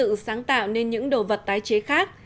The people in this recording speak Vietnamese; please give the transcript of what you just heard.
và các em tự sáng tạo nên những đồ vật tái chế khác